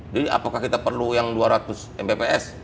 jadi apakah kita perlu yang dua ratus mbps